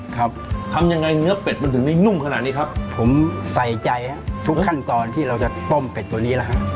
ครับทำยังไงมันเป็ดขนาดนี้ครับผมใส่ใจทุกขั้นตอนที่เราจะป้อมเป็ดตัวนี้ละฮะ